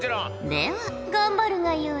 では頑張るがよい。